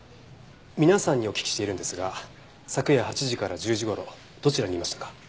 皆さんにお聞きしているんですが昨夜８時から１０時頃どちらにいましたか？